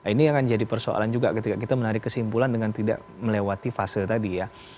ini akan jadi persoalan juga ketika kita menarik kesimpulan dengan tidak melewati fase tadi ya